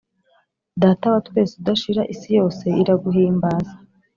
Data wa twese udashira isi yose iraguhimbaza